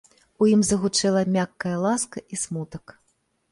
У ім загучэла мяккая ласка і смутак.